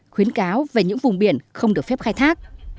khuyến cáo về những vùng biển không được phép khai thác